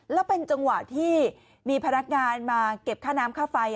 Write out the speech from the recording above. แล้วเป็นจังหวะที่มีพนักงานมาเก็บค่าน้ำค่าไฟ